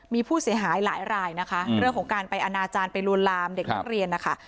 มีผู้เสียหายหลายรายนะคะเรื่องของการไปอนาจารย์ไปลวนลามเด็กนักเรียนนะคะ